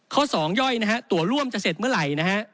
๒ย่อยนะฮะตัวร่วมจะเสร็จเมื่อไหร่นะฮะ